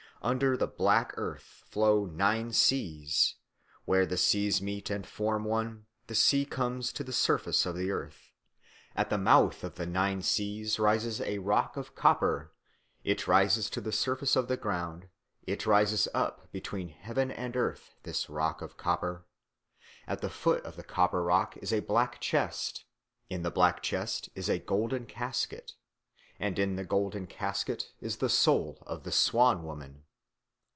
Under the black earth flow nine seas; where the seas meet and form one, the sea comes to the surface of the earth. At the mouth of the nine seas rises a rock of copper; it rises to the surface of the ground, it rises up between heaven and earth, this rock of copper. At the foot of the copper rock is a black chest, in the black chest is a golden casket, and in the golden casket is the soul of the Swan woman.